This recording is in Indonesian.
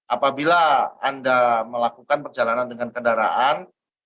apabila anda melakukan perjalanan dengan kendaraan